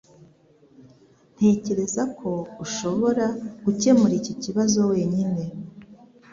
Ntekereza ko ushobora gukemura iki kibazo wenyine